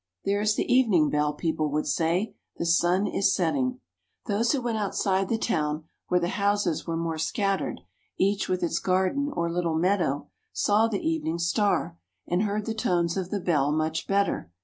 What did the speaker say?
" There is the evening bell," people would say; " the sun is setting." Those who went outside the town where the houses were more scattered, each with its garden or little meadow, saw the evening star, and heard the tones of the bell much better.